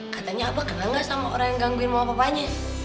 katanya abah kenal nggak sama orang yang gangguin mama papanya